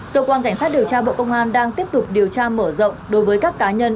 cơ quan cảnh sát điều tra bộ công an đang tiếp tục điều tra mở rộng đối với các cá nhân